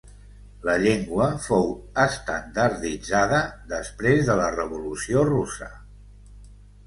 La llengua fou estandarditzada després de la Revolució russa.